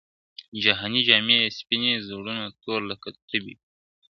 جهاني جامې یې سپیني زړونه تور لکه تبۍ وي !.